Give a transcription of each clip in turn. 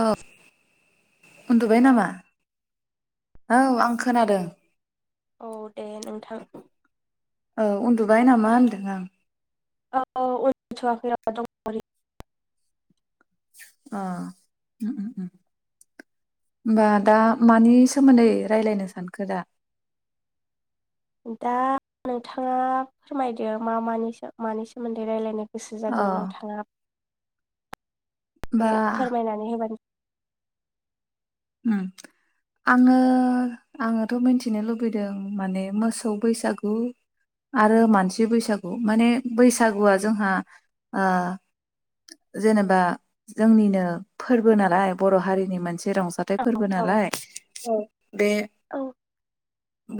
ओ। उन्दुबाय हेल' नामा? औ आं खोनादों। औ दे नोंथां। औ उन्दुबाय नामा होन्दों आं? औ उन [inaudible] थ'आखै आ दं ओरै [inaudible] अ उम उम उम होमबा दा मानि सोमोन्दै रायलायनो सानखो दा? दा नोंथाङा फोरमायदो मा मानि सो मानि सोमोन्दै रायलायनो‌ गोसो अ जादों होमबा नोंथाङा। दे फोरमायनानै होबानो उम आङो आङोथ' मोनथिनो लुबैदों माने मोसौ बैसागु आरो मानसि बैसागु माने बैसागुआ जोंहा ओ जेनेबा जोंनिनो फोरबो नालाय बर' हारिनि मोनसे रं थाय फोरबो औ नालाय औ। बे औ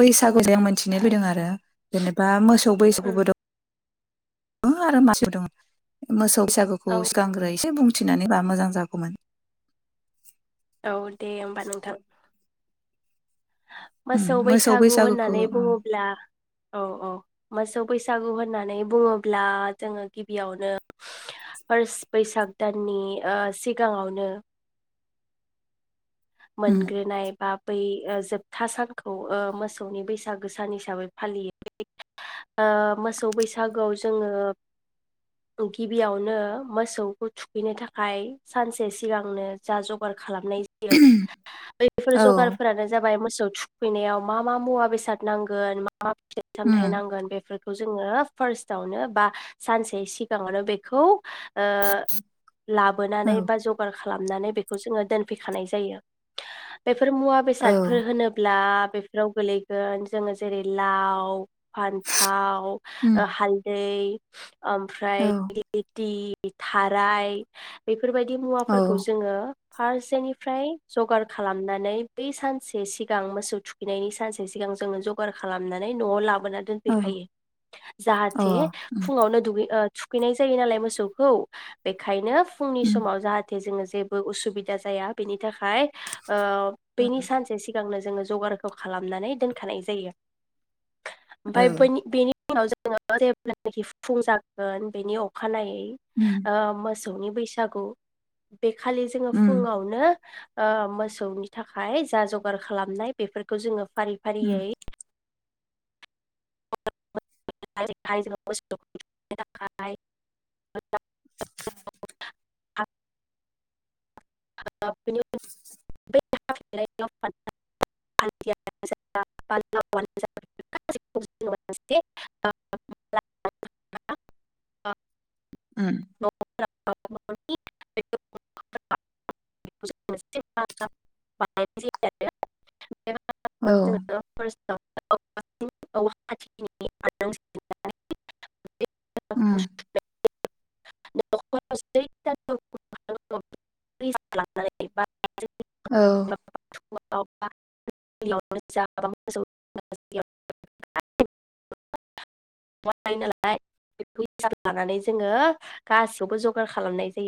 बैस सागु जे मोनथिनो लुबैदों आरो जेनेबा मोसौ बैसागु उम दं दं आरो मासेव‌ दङ मोसौ बैसागुखौ औ सिगांग्रो एसे बुं थिनानैबा मोजां जागौमोन। औ दे होमबा नोंथां। उम मोसौ बैसागु बैसागुखौ होननानै बुङोब्ला औ औ मोसौ बैसागु होननानै बुङोब्ला जोङो गिबियावनो फार्स बैसाग दाननि ओ सिगाङावनो उम मोनग्रोनाय बाब बै ओ जोबथा सानखौ ओ मोसौनि बैसागो सान हिसाबै फालियो। [unintelligible] ओ मोसौ बैसागोआव जोङो गिबियावनो मोसौखौ थुखैनो थाखाय सानसे सिगांनो जा जगार खालामनाय जायो। बैफोर औ जगारफोरानो जाबाय मो सौ थुखैनायाव मा मा मुवा बेसाद नांगोन मा मा फिथाइ सामथाइ उम नांगोन बेफोर खौ जोङो फार्स्टआवनो बा सानसे सिगाङावनो बेखौ ओ लाबोनानै औ बा जगार खालामनानै बेखौ जोङो दोनफैखानाय जायो। बेफ फोर मुवा औ बेसादफोर होनोब्ला बेफोराव गोलैगोन जोङो जेरै लाव फान्थाव उम ओ हालदै [unintelligible] आमफ्राय औ [unintelligible] थि बे थाराय बे बेफोरबायदि औ मुवाफोरखौ जोङो फारसेनिफ्राय जगार खालामनानै बै सानसे सिगां मोसौ थुखैनायनि सानसे सिगां जोङो जगार खालामनानै न'आव ला बोना औ दोनफैखायो अ जाहाथे उम फुङावनो दुगै ओ थुखैनाय जायो नालाय मोसौखौ बेखायनो फुंनि उम समाव जाहाथे जोङो जेबो उसुबिदा जाया बेनि थाखाय हाय ओ बेनि उम सानसे सिगांनो जोङो जगारखौ खालामनानै दोनखानाय जायो। ओमफाय औ बैनि बेनि फुवाव जोङो जेब्लानाखि फुं जागोन बेनि अखानायै [unintelligible] उम ओ मो मोसौनि बैसागु बेखालि जोङो उम फुङावनो ओ मोसौनि थाखाय जा जगार खालामनाय बेफोरखौ जोङो फारि फारियै उम [unintelligible] थाखाय [unintelligible] [unintelligible] उम। [unintelligible] [unintelligible] औ। [unintelligible] औ [unintelligible] उम [unintelligible] [unintelligible] [unintelligible] [unintelligible] औ नालाय लानानै जोङो गासियावबो जगार खालामनाय जायो।